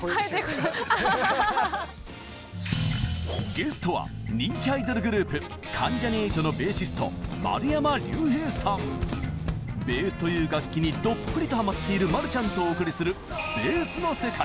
ゲストは人気アイドルグループベースという楽器にどっぷりとハマっている丸ちゃんとお送りする「ベース」の世界！